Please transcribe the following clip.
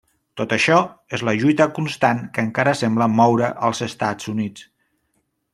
Tot això és la lluita constant que encara sembla moure els Estats Units.